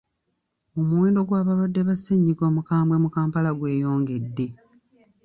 Omuwendo gw'abalwadde ba ssennyiga omukambwe mu Kampala gweyongedde.